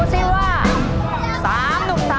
ดูสิว่า๓หนุ่ม๓ซ่าจะคว้าคะแนนสะสมนำไปอีกหนึ่งคะแนน